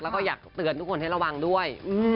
แล้วก็อยากเตือนทุกคนให้ระวังด้วย